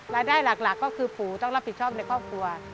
รายได้หลักก็คือปู่ต้องรับผิดชอบในครอบครัว